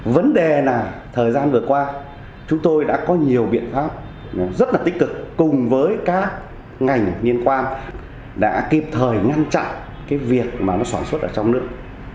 vấn đề là thời gian vừa qua chúng tôi đã có nhiều biện pháp rất là tích cực cùng với các ngành liên quan đã kịp thời ngăn chặn cái việc mà nó sản xuất ở trong nước